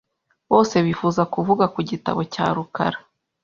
Bose bifuza kuvuga ku gitabo cya rukara .